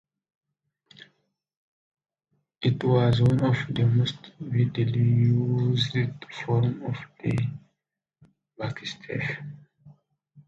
It was one of the most widely used forms of the backstaff.